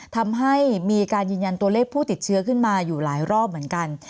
ทำให้มีการยืนยันตัวเลขผู้ติดเชื้อขึ้นมาอยู่หลายรอบเหมือนกัน